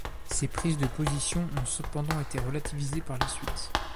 Ces prises de position ont cependant été relativisées par la suite.